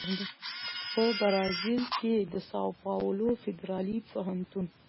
په برازیل کې د ساو پاولو فدرالي پوهنتون